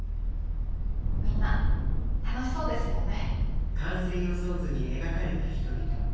みんな楽しそうですもんね。